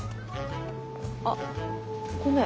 あごめん